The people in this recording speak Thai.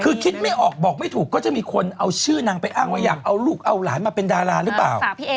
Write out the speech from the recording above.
คือคิดไม่ออกบอกไม่ถูกก็จะมีคนเอาชื่อนางไปอ้างว่าอยากเอาลูกเอาหลานมาเป็นดาราหรือเปล่า